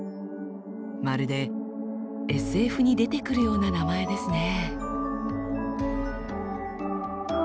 まるでＳＦに出てくるような名前ですね。